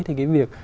thì cái việc